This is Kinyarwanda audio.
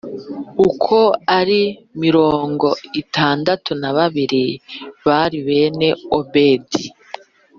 Uko ari mirongo itandatu na babiri bari bene Obedi